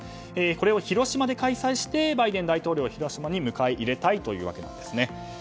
これを広島で開催してバイデン大統領を広島に迎え入れたいというわけなんですね。